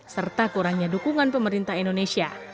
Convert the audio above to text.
serta kurangnya dukungan pemerintah indonesia